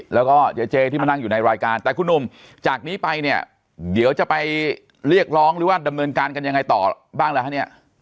แล้วก็เจ๊เจที่มานั่งอยู่ในรายการแต่คุณหนุ่มจากนี้ไปเนี่ยเดี๋ยวจะไปเรียกร้องหรือว่าดำเนินการกันยังไงต่อบ้างแล้วฮะเนี่ย